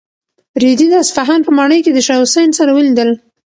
رېدي د اصفهان په ماڼۍ کې د شاه حسین سره ولیدل.